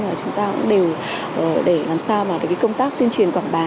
là chúng ta cũng đều để làm sao mà cái công tác tuyên truyền quảng bá